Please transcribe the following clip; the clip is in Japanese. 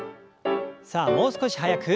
さあもう少し速く。